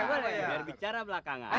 biar bicara belakangan